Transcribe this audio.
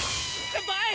先輩？